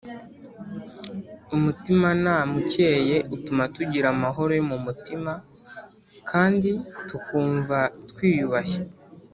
Umutimanama ukeye utuma tugira amahoro yo mu mutima kandi tukumva twiyubashye